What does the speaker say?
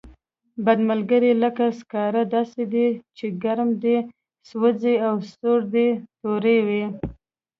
بد ملګری لکه سکاره داسې دی، چې ګرم دې سوځوي او سوړ دې توروي.